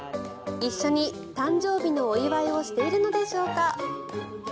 一緒に誕生日のお祝いをしているのでしょうか？